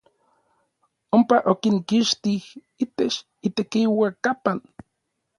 Ompa okinkixtij itech itekiuakapan.